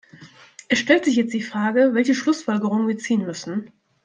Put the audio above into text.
Es stellt sich jetzt die Frage, welche Schlussfolgerungen wir ziehen müssen.